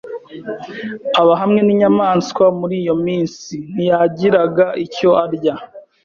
aba hamwe n’inyamaswa Muri iyo minsi ntiyagiraga icyo arya